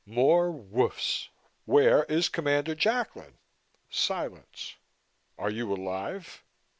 More "woofs." "Where is Commander Jacklin?" Silence. "Are you alive?"